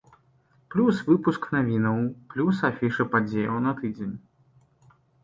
Плюс выпуск навінаў, плюс афіша падзеяў на тыдзень.